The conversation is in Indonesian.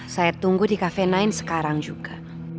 saya tunggu di kafe sembilan sekarang juga